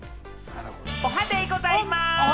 おはデイございます！